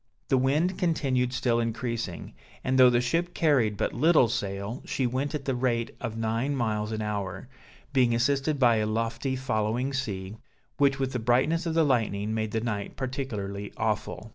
The wind continued still increasing; and though the ship carried but little sail, she went at the rate of nine miles an hour, being assisted by a lofty following sea, which with the brightness of the lightning, made the night particularly awful.